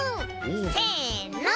せの。